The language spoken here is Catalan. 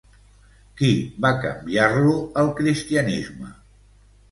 Qui va canviar-lo al cristianisme?